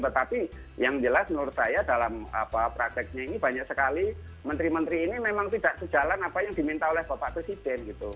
tetapi yang jelas menurut saya dalam prakteknya ini banyak sekali menteri menteri ini memang tidak sejalan apa yang diminta oleh bapak presiden gitu